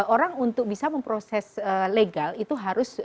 orang untuk bisa memproses legal itu harus